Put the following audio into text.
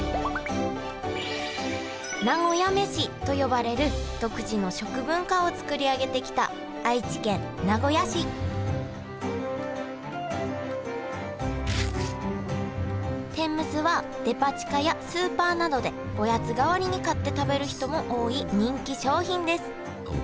「なごやめし」と呼ばれる独自の食文化をつくり上げてきた愛知県名古屋市天むすはデパ地下やスーパーなどでおやつ代わりに買って食べる人も多い人気商品ですあっ